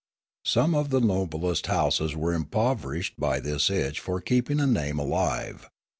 vSome of the noblest houses were impoverished by this itch for keeping a name alive.